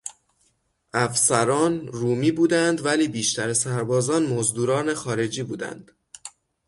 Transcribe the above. افسران، رومی بودند ولی بیشتر سربازان مزدوران خارجی بودند.